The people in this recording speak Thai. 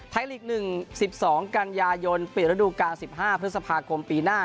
ลีก๑๑๒กันยายนปิดระดูการ๑๕พฤษภาคมปีหน้า